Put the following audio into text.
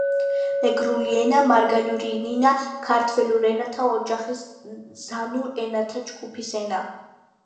მეგრული ენა . მარგალური ნინა ქართველურ ენათა ოჯახის ზანურ ენათა ჯგუფის ენა.